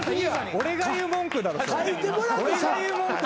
俺が言う文句だよ。